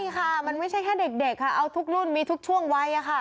ใช่ค่ะมันไม่ใช่แค่เด็กค่ะเอาทุกรุ่นมีทุกช่วงวัยค่ะ